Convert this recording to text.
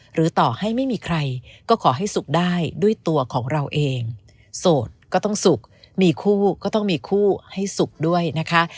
หรือต่อให้ไม่มีใครก็ขอให้สุขได้ด้วยตัวของเราเองโสดก็ต้องสุขมีคู่ก็ต้องมีคู่ให้สุขด้วยนะคะ